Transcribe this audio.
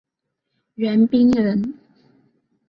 袁彬人。